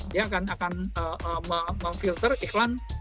dia akan memfilter iklan